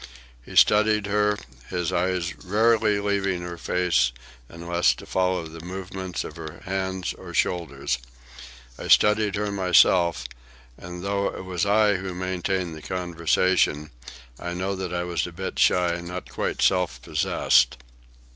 He studied her, his eyes rarely leaving her face unless to follow the movements of her hands or shoulders. I studied her myself, and though it was I who maintained the conversation, I know that I was a bit shy, not quite self possessed.